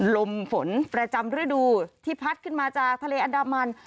ลมฝนประจำฤดูที่พัดขึ้นมาจากทะเลอันดามัน